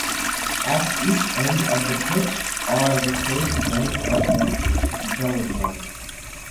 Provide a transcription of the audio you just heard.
At each end of the pitch are the curved bends of the velodrome.